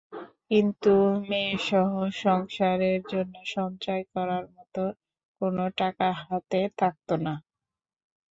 কিন্তু মেয়েসহ সংসারের জন্য সঞ্চয় করার মতো কোনো টাকা হাতে থাকত না।